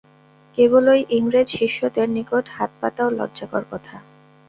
কেবল ঐ ইংরেজ শিষ্যদের নিকট হাত পাতাও লজ্জাকর কথা।